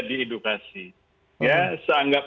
menggunakan edukasi ya seanggap